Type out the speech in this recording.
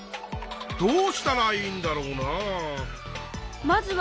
どうしたらいいんだろうなあ。